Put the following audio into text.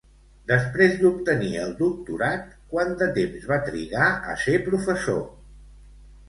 Després d'obtenir el doctorat, quant de temps va trigar a ser professor?